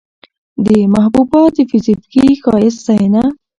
د محبوبا د فزيکي ښايست ستاينه